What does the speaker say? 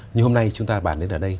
như hôm nay chúng ta bàn đến ở đây